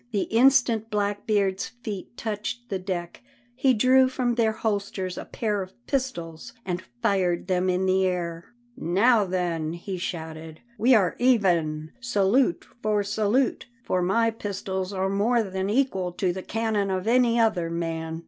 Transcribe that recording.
The instant Blackbeard's feet touched the deck he drew from their holsters a pair of pistols and fired them in the air. "Now then," he shouted, "we are even, salute for salute, for my pistols are more than equal to the cannon of any other man.